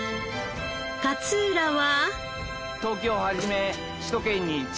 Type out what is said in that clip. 勝浦は。